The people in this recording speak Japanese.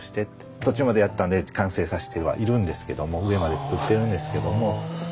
途中までやったんで完成させてはしているんですけども上まで作ってるんですけども。